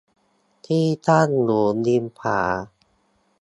ที่ตั้งอยู่ริมผา